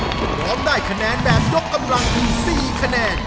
จะคย้อมได้คะแนนแบบยกกำลังอีซีคะแนน